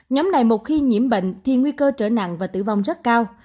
nhóm này một khi nhiễm bệnh thì nguy cơ trở nặng và tử vong rất cao